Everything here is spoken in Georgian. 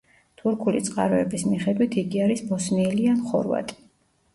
თურქული წყაროების მიხედვით იგი არის „ბოსნიელი ან ხორვატი“.